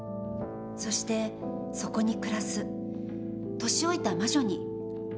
そしてそこに暮らす年老いた魔女に保護されました。